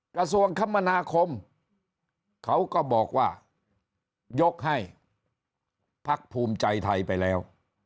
กระทรวงคมนาคมเขาก็บอกว่ายกให้พักภูมิใจไทยไปแล้ว